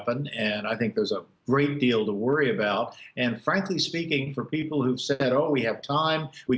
penyelenggara strategis saya tidak pikir kita mempunyai waktu itu